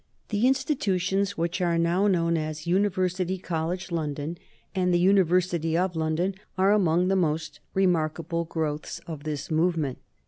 The institutions which are now known as University College, London, and the University of London are among the most remarkable growths of this movement.